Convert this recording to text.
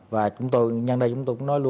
và chúng tôi